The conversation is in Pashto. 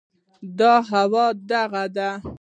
دا هوا، دغه